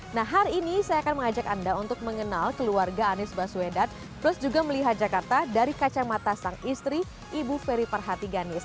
nah hari ini saya akan mengajak anda untuk mengenal keluarga anies baswedan plus juga melihat jakarta dari kacamata sang istri ibu ferry perhati ganis